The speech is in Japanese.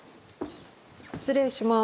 失礼します。